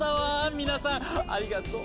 皆さんありがとう。